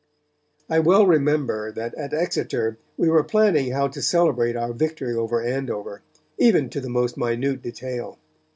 "I well remember that at Exeter we were planning how to celebrate our victory over Andover, even to the most minute detail.